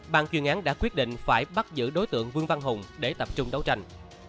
bàn chuyên án đã quyết định phải bắt giữ đối tượng vương văn hùng để tập trung đấu tranh